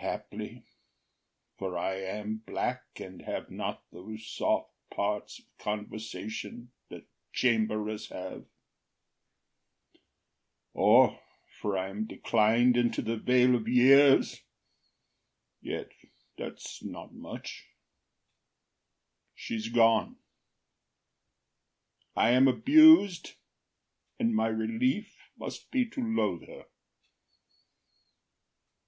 Haply, for I am black, And have not those soft parts of conversation That chamberers have, or for I am declin’d Into the vale of years,—yet that’s not much— She’s gone, I am abus’d, and my relief Must be to loathe her.